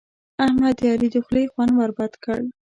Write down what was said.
احمد د علي د خولې خوند ور بد کړ.